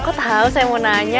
kok tahu saya mau nanya